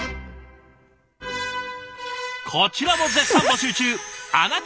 こちらも絶賛募集中